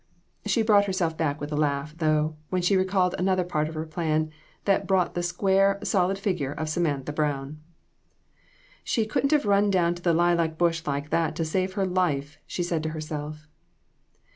She brought herself back with a laugh, though, when she recalled another part of her plan that brought the square, solid fig ure of Samantha Brown. " She couldn't have run down to the lilac bush like that to save her life," she said to herself.